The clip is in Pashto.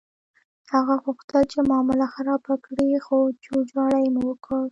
هغه غوښتل چې معامله خرابه کړي، خو جوړجاړی مو وکړ.